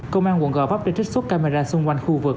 công an quận gò vấp đã trích xuất camera xung quanh khu vực